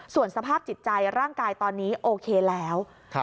ส่วนสภาพจิตใจร่างกายตอนนี้โอเคแล้ว